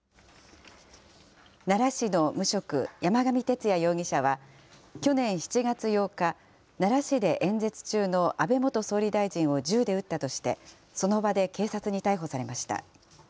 奈良市の無職、山上徹也容疑者は去年７月８日、奈良市で演説中の安倍元総理大臣を銃で撃ったとして、その場で警察に逮捕されました。